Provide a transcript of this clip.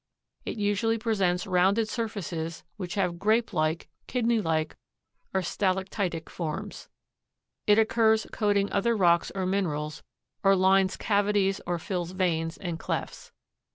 It usually presents rounded surfaces which have grape like, kidney like or stalactitic forms. It occurs coating other rocks or minerals or lines cavities or fills veins and clefts.